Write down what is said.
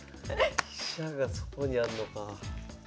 飛車がそこにあんのか。